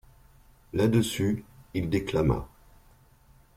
Là-dessus, il déclama.